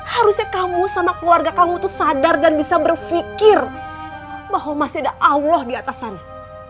harusnya kamu sama keluarga kamu itu sadar dan bisa berpikir bahwa masih ada allah di atas sana